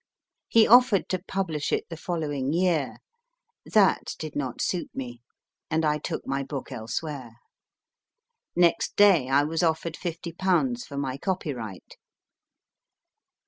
He offered to publish it the following year. That did not suit me, and I took my book elsewhere. Next day I was offered 5O/. for my copyright.